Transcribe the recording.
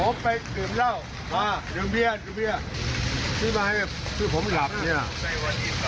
ผมไปดื่มเหล้ามาดื่มเบียร์ดื่มเบียร์ซื้อมาให้ที่ผมหลับเนี่ย